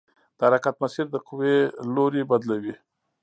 د حرکت مسیر د قوې لوری بدلوي.